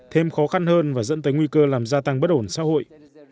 thêm khó khăn hơn và dẫn tới nguy cơ làm gia tăng bất ổn xã hội